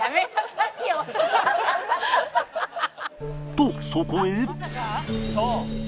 とそこへ